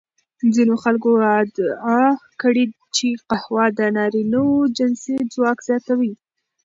ځینو خلکو ادعا کړې چې قهوه د نارینوو جنسي ځواک زیاتوي.